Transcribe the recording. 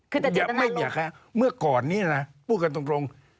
คือแต่เจตนาไม่อยากฮะเมื่อก่อนนี้นะพูดกันตรงตรง